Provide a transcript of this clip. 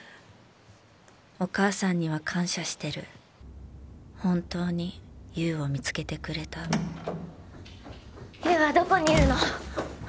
お母さんには感謝してる本当に優を見つけてくれた優はどこにいるの？